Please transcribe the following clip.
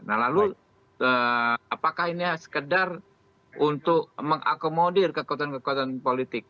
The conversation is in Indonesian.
nah lalu apakah ini sekedar untuk mengakomodir kekuatan kekuatan politik